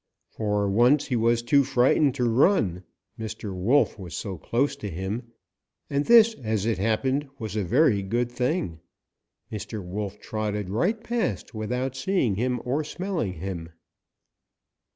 For once he was too frightened to run, Mr. Wolf was so close to him, and this, as it happened, was a very good thing. Mr. Wolf trotted right past without seeing him or smelling him.